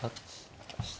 負けました。